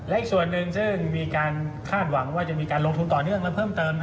และอีกส่วนหนึ่งซึ่งมีการคาดหวังว่าจะมีการลงทุนต่อเนื่องและเพิ่มเติม